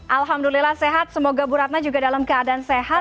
alhamdulillah sehat semoga bu ratna juga dalam keadaan sehat